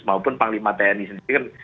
maupun panglima tni sendiri kan